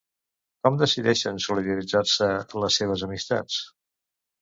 Com decideixen solidaritzar-se les seves amistats?